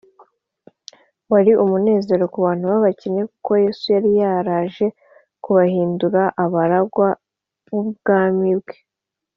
wari umunezero ku bantu b’abakene kuko yesu yari yaraje kubahindura abaragwa b’ubwami bwe